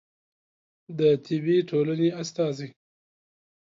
د طبي ټولنې استازی